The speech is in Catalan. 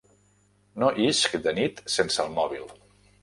No isc de nit sense el mòbil.